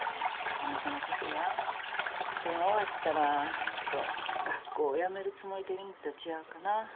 あの子のことやそれが終わったらきっと学校をやめるつもりでいるんと違うかな。